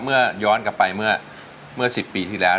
ย้อนกลับไปเมื่อ๑๐ปีที่แล้ว